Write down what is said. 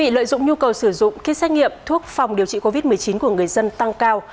lợi dụng nhu cầu sử dụng kit xét nghiệm thuốc phòng điều trị covid một mươi chín của người dân tăng cao